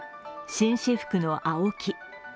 紳士服のＡＯＫＩ。